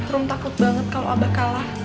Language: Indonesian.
rum takut banget kalau abah kalah